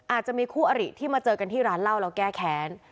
อาจจะมีคู่อริที่มาเจอกันที่ร้านเหล้าแล้วแก้แค้น